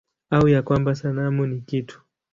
Au ya kwamba sanamu ni kitu?